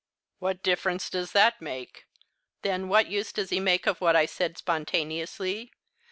"What difference does that make? Then what use does he make of what I said spontaneously?